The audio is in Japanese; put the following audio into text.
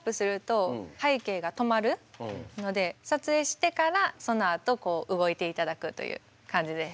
撮影してからそのあとこう動いて頂くという感じです。